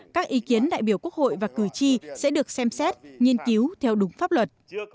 các ý kiến đại biểu quốc hội và cử tri sẽ được xem xét nghiên cứu theo đúng pháp luật